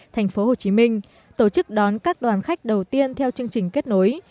thành phố hồ chí minh tổ chức đón các đoàn khách đầu tiên theo chương trình kết nối